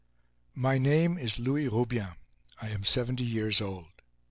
My name is Louis Roubien. I am seventy years old.